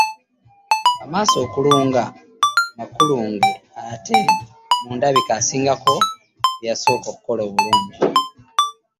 Amaaso akulunga makulunge ate mu ndabika, asingako ku yasooka okukola obulungi.